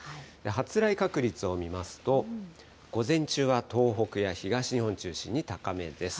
発雷確率を見ますと、午前中は東北や東日本を中心に高めです。